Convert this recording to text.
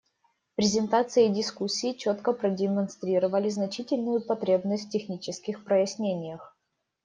Презентации и дискуссии четко продемонстрировали значительную потребность в технических прояснениях.